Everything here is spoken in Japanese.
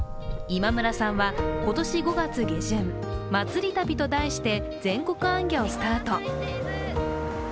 今村さんは今年５月下旬、まつり旅と題して全国行脚をスタート。